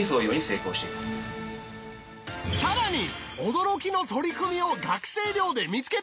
驚きの取り組みを学生寮で見つけたよ！